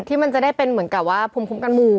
ที่มันจะได้เป็นเหมือนกับว่าภูมิคุ้มกันหมู่